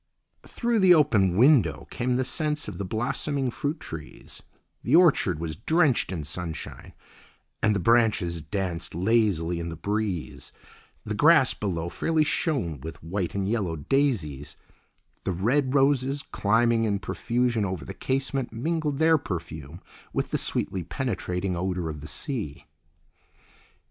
Through the open window came the scents of the blossoming fruit trees; the orchard was drenched in sunshine and the branches danced lazily in the breeze; the grass below fairly shone with white and yellow daisies, and the red roses climbing in profusion over the casement mingled their perfume with the sweetly penetrating odour of the sea.